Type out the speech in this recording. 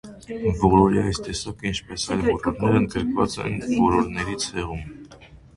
Որորի այս տեսակը, ինչպես այլ որորներ, ընդգրկված են որորների ցեղում։